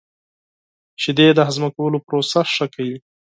• شیدې د هضم کولو پروسه ښه کوي.